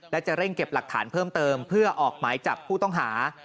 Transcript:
และจะเร่งเก็บหลักฐานเพิ่มเติมเพื่อออกหมายจับผู้ต้องหา